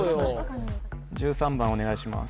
確かに１３番お願いします